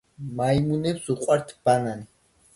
მაიმუნებს უყვართ ბანანი